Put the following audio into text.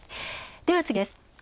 では次です。